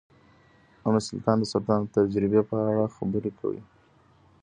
ام سلطان د سرطان د تجربې په اړه خبرې کوي.